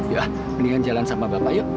ya mendingan jalan sama bapak ya